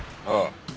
ああ。